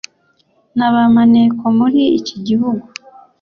na ba maneko muri iki gihugu